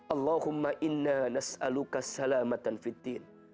allahumma inna nas'aluka salamatan fiddin